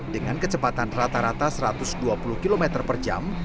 dengan kecepatan rata rata satu ratus dua puluh km per jam